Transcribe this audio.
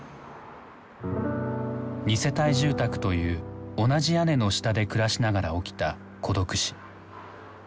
２世帯住宅という同じ屋根の下で暮らしながら起きた孤独死。